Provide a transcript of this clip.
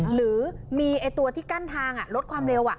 หรือมีตัวที่กั้นทางลดความเร็ว